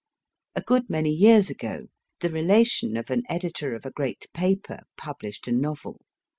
A good many years ago, the relation of an editor of a great paper published a novel.